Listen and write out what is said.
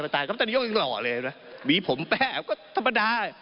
ต้านยกยังหล่อเลยนะวีผมแป๊บก็ธรรมดา